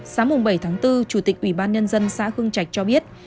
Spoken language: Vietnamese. sáng bảy tháng bốn chủ tịch ủy ban nhân dân xã hương trạch cho biết